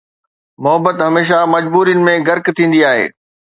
محبت هميشه مجبورين ۾ غرق ٿيندي آهي